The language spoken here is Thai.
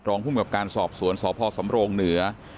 ภูมิกับการสอบสวนสพสำโรงเหนือ